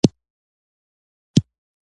باز یو ځانګړی ځواک لري